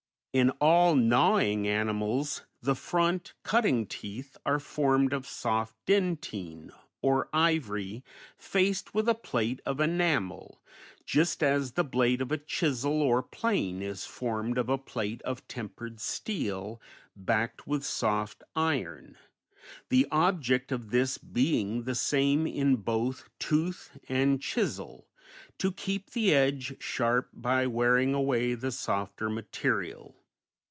In all gnawing animals the front, cutting teeth are formed of soft dentine, or ivory, faced with a plate of enamel, just as the blade of a chisel or plane is formed of a plate of tempered steel backed with soft iron; the object of this being the same in both tooth and chisel, to keep the edge sharp by wearing away the softer material.